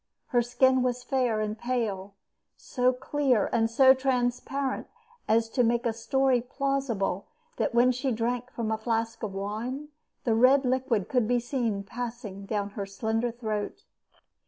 Her skin was fair and pale, so clear and so transparent as to make the story plausible that when she drank from a flask of wine, the red liquid could be seen passing down her slender throat.